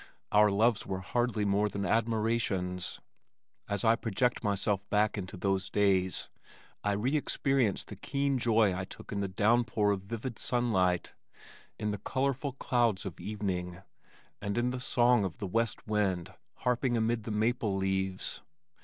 Our loves were hardly more than admirations. As I project myself back into those days I re experience the keen joy I took in the downpour of vivid sunlight, in the colorful clouds of evening, and in the song of the west wind harping amid the maple leaves.